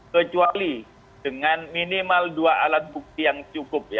kecuali dengan minimal dua alat bukti yang cukup ya